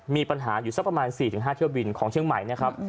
มีปัญหาอยู่สักประมาณ๔๕เที่ยวบินของเชียงใหม่นะครับ